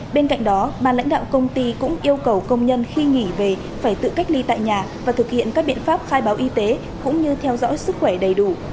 bên cạnh đó bà lãnh đạo công ty cũng yêu cầu công nhân khi nghỉ về phải tự cách ly tại nhà và thực hiện các biện pháp khai báo y tế cũng như theo dõi sức khỏe đầy đủ